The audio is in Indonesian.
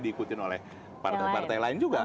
diikutin oleh partai partai lain juga